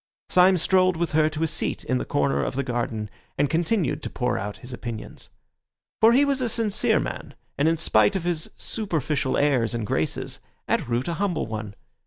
Syme strolled with her to a seat in the corner of the garden, and continued to pour out his opinions. For he was a sincere man, and in spite of his superficial airs and graces, at root a humble one.